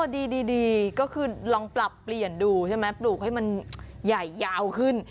ดีก็คือลองปรับเปลี่ยนดูใช่ไหมปลูกให้มันใหญ่ยาวขึ้น